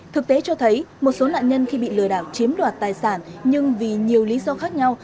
thực tế cho thấy một số nạn nhân khi bị lừa đảo chiếm đoạt tài sản nhưng vì nhiều lý do khác nhau